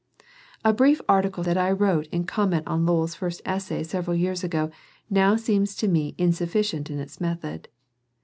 ^ A brief article§ that I wrote in comment on Lowl's first essay several years ago now seems to me insufiicient in its method.